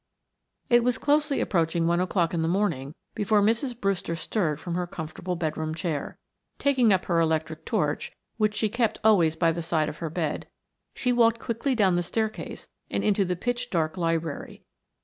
It was closely approaching one o'clock in the morning before Mrs. Brewster stirred from her comfortable bedroom chair. Taking up her electric torch, which she kept always by the side of her bed, she walked quickly down the staircase and into the pitch dark library.